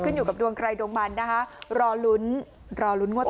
อยู่กับดวงใครดวงมันนะคะรอลุ้นรอลุ้นงวดต่อ